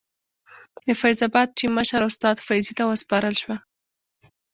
د فیض اباد ټیم مشر استاد فیضي ته وسپارل شوه.